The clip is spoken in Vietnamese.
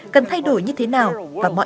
cần thay đổi như thế nào